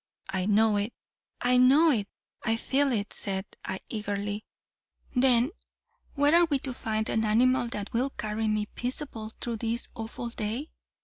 'I know it I know it I feel it,' said I, eagerly 'then where are we to find an animal that will carry me peaceably through this awful day?